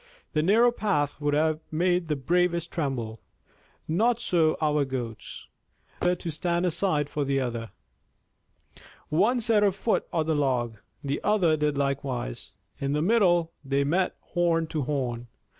The narrow path would have made the bravest tremble. Not so our Goats. Their pride would not permit either to stand aside for the other. One set her foot on the log. The other did likewise. In the middle they met horn to horn.